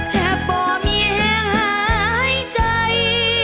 แทบบ่มีแห่งหายใจ